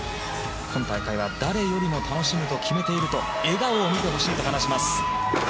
今大会は誰よりも楽しむと決めていると笑顔を見てほしいと話します。